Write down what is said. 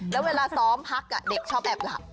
แล้วเวลาซ้อมพักเด็กชอบแอบหลับ